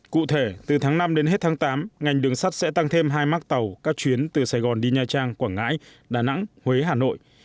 cụ thể từ tháng năm đến hết tháng tám ngành đường sắt sẽ tăng thêm hai mác tàu các chuyến từ sài gòn đi nha trang quảng ngãi đà nẵng huế hà nội